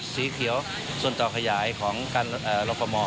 สีเขียวส่วนต่อขยายของการรฟม